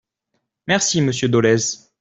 Merci, monsieur Dolez.